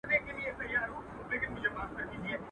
تر وراره دي لا په سل چنده ظالم دئ.